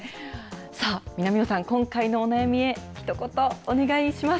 さあ、南野さん、今回のお悩みへ、ひと言お願いします。